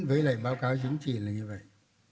với lại báo cáo chính trị là như vậy